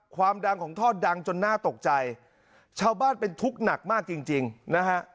ความดังของทอดดังจนน่าตกใจชาวบ้านเป็นทุกข์หนักมากจริงจริงนะฮะ